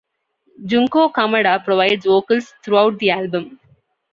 Junko Kamada provides vocals throughout the album.